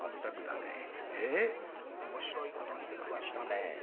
面白いことに出くわしたね。